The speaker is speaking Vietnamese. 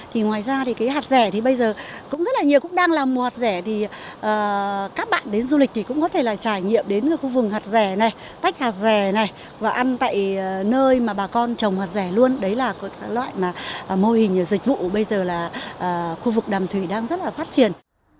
thì ngoài ra thì cái hạt rẻ thì bây giờ cũng rất là nhiều cũng đang là mùa hạt rẻ thì các bạn đến du lịch thì cũng có thể là trải nghiệm đến khu vườn hạt rẻ này tách hạt rẻ này và ăn tại nơi mà bà con trồng hạt rẻ luôn đấy là loại mà mô hình dịch vụ bây giờ là khu vực đàm thủy đang rất là phát triển